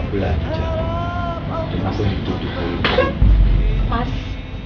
macam aku ngelakuin apa belanja